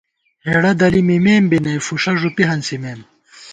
ہېڑہ دَلی مِمېم بی نئ ، فُݭہ ݫُپی ہنسِمېم